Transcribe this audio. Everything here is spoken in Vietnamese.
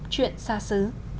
chuyện xa xứ